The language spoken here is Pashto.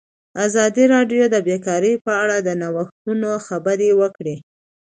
ازادي راډیو د بیکاري په اړه د نوښتونو خبر ورکړی.